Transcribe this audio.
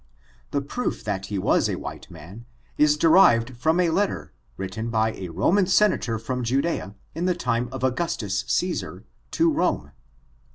The proof that he was a white man, is derived from a letter, written by a Roman Senator from Judea, in the time of Augus tus Csesar, to Rome.